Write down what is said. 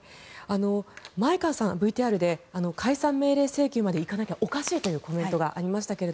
前川さんＶＴＲで解散命令請求までいかなきゃおかしいというコメントがありましたが。